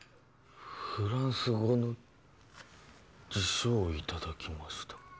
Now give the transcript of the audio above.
フランス語の辞書をいただきました